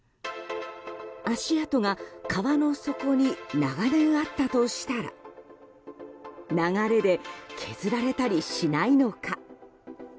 足跡が川の底に長年あったとしたら流れで削られたりしないのか。